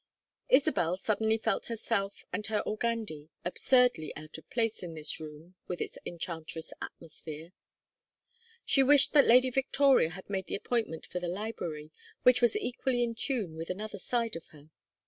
Isabel suddenly felt herself and her organdie absurdly out of place in this room with its enchantress atmosphere. She wished that Lady Victoria had made the appointment for the library, which was equally in tune with another side of her.